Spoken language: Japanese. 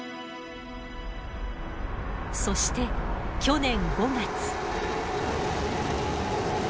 そして去年５月。